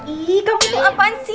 ih kamu tuh apaan sih